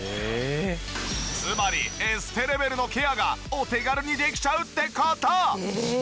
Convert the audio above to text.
つまりエステレベルのケアがお手軽にできちゃうって事。